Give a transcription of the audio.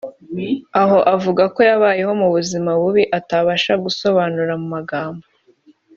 aho avuga ko yabayeho ubuzima bubi atabasha gusobanura mu magambo